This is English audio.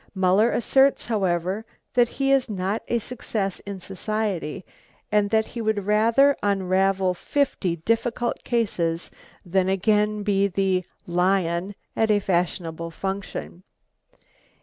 Muller asserts, however, that he is not a success in society, and that he would rather unravel fifty difficult cases than again be the "lion" at a fashionable function.